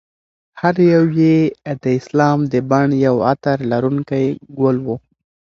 هر یو یې د اسلام د بڼ یو عطر لرونکی ګل و.